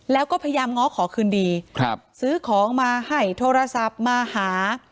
แล้วก็พยายามง้อขอคืนดีซื้อของมาให้โทรศัพท์มาหา